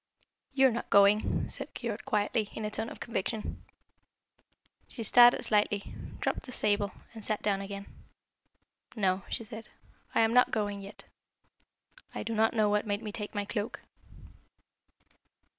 "You are not going?" said Keyork quietly, in a tone of conviction. She started slightly, dropped the sable, and sat down again. "No," she said, "I am not going yet. I do not know what made me take my cloak."